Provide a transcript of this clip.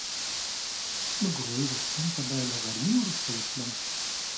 مګوري روغتون ته به له غرمې وروسته ورتلم.